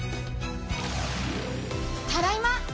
ただいま。